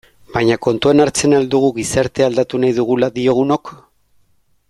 Baina kontuan hartzen al dugu gizartea aldatu nahi dugula diogunok?